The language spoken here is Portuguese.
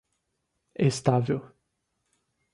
estável